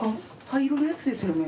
灰色のやつですよね？